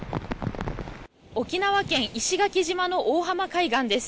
沖縄県石垣島の大浜海岸です。